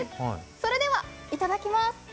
それでは、いただきます。